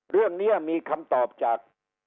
เรื่องนี้มีคำตอบจาก